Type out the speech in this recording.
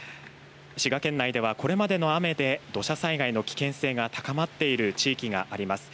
滋賀県内ではこれまでの雨で土砂災害の危険性が高まっている地域があります。